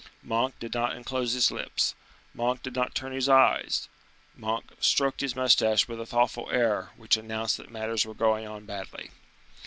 '" Monk did not unclose his lips; Monk did not turn his eyes; Monk stroked his mustache with a thoughtful air, which announced that matters were going on badly.